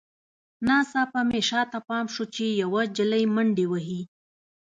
ناڅاپه مې شاته پام شو چې یوه نجلۍ منډې وهي